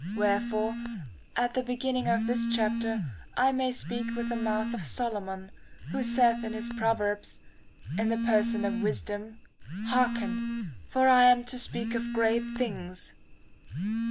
Wherefore, at the beginning of this chapter, I may speak with the mouth of Solomon, who saith in his Proverbs^ in the person of wisdom :' Hearken ! for I am to speak of great things.'